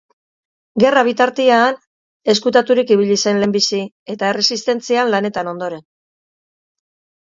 Gerra bitartean ezkutaturik ibili zen lehenbizi eta Erresistentzian lanean ondoren.